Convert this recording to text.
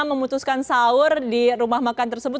memutuskan sahur di rumah makan tersebut